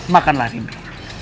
makanlah arim bi